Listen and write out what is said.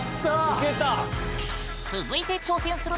いけた！